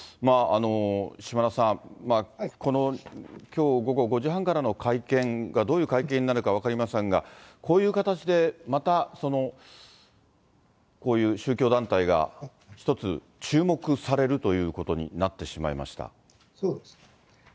島田さん、このきょう午後５時半からの会見がどういう会見になるか分かりませんが、こういう形でまたこういう宗教団体が一つ注目されるということにそうですね。